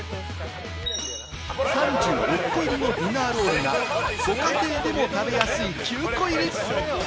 ３６個入りのディナーロールがご家庭でも食べやすい９個入り。